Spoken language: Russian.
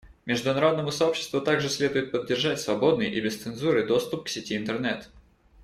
Международному сообществу также следует поддержать свободный и без цензуры доступ к сети Интернет.